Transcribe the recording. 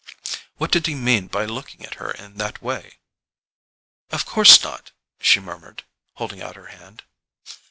What did he mean by looking at her in that way? "Of course not," she murmured, holding out her hand.